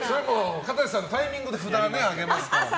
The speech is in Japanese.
かたせさんのタイミングで札を上げますからね。